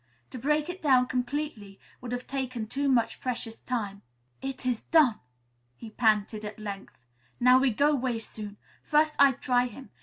To break it down completely would have taken too much precious time. "It is don'!" he panted at length. "Now we go 'way soon. First I try him.